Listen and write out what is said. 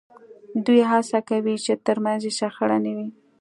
دوی هڅه کوي چې ترمنځ یې شخړه نه وي